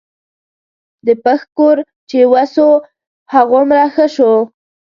د پښ کور چې وسو هغومره ښه سو.